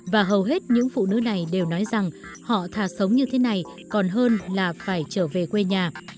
và hầu hết những phụ nữ này đều nói rằng họ thả sống như thế này còn hơn là phải trở về quê nhà